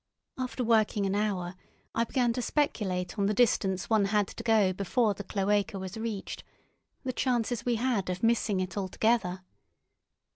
After working an hour I began to speculate on the distance one had to go before the cloaca was reached, the chances we had of missing it altogether.